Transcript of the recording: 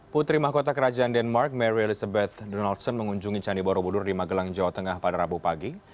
putri mahkota kerajaan denmark mary elizabeth donaldson mengunjungi candi borobudur di magelang jawa tengah pada rabu pagi